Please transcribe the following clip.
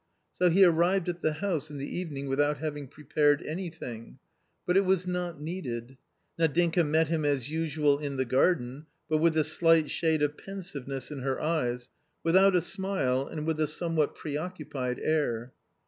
So he arrived at the house in the evening without having prepared anything ; but it was not needed ; Nadinka met him as usual in the garden, but with a slight shade of pensiveness in her eyes, without a smile, and with a some what preoccupied air.